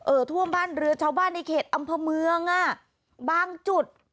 เอ่อทั่วบ้านเรือชาวบ้านในเขตอัมพมืองอ่ะบางจุด